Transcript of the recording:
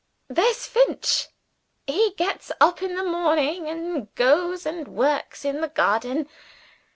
"There's Finch, he gets up in the morning and goes and works in the garden.